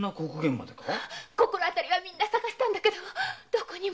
心当たりは捜したんだけどどこにも。